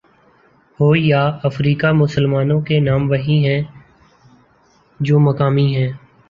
ہو یا افریقہ مسلمانوں کے نام وہی ہیں جو مقامی ہیں۔